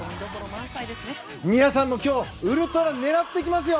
皆さんも今日ウルトラ狙っていきますよ！